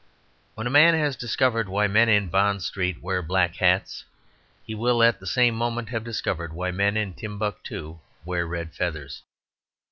When a man has discovered why men in Bond Street wear black hats he will at the same moment have discovered why men in Timbuctoo wear red feathers.